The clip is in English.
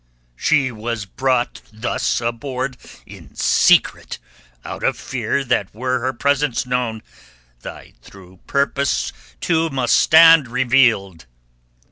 "She was brought thus aboard in secret out of fear that were her presence known thy true purpose too must stand revealed."